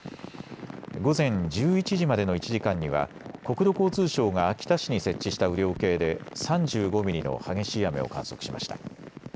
午前１１時までの１時間には国土交通省が秋田市に設置した雨量計で３５ミリの激しい雨を観測しました。